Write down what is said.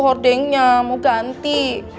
hordingnya mau ganti